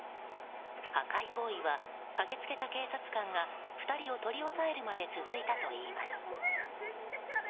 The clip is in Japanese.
破壊行為は駆け付けた警察官が２人を取り押さえるまで続いたといいます。